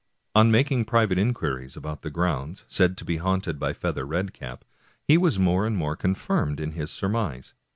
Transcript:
On making private inquiries about the grounds said to be haunted by Feather Red cap, he was more and more confirmed in his surmise.